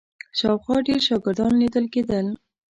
شاوخوا ډېر شاګردان لیدل کېدل.